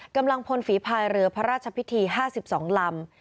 กำลังพลฝีภายเรือพระราชพิธี๕๒ลำ